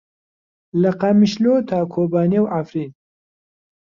لە قامیشلۆ تا کۆبانێ و عەفرین.